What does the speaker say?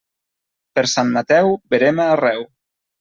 Per Sant Mateu, verema arreu.